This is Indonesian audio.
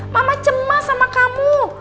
mama cemas sama kamu